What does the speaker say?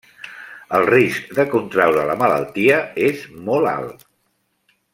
El risc de contraure la malaltia és molt alt.